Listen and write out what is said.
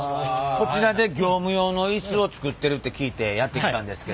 こちらで業務用のイスを作ってるって聞いてやって来たんですけど。